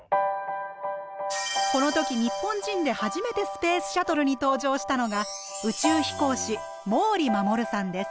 この時日本人で初めてスペースシャトルに搭乗したのが宇宙飛行士毛利衛さんです。